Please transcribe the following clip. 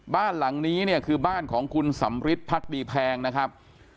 บ้านหลังนี้เนี่ยคือบ้านของคุณสำริทพักดีแพงนะครับ